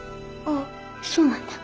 あそうなんだ。